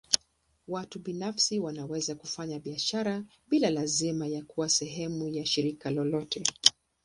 Watu binafsi wanaweza kufanya biashara bila lazima ya kuwa sehemu ya shirika lolote.